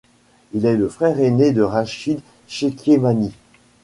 Il est le frère ainé de Rachid Chékhémani.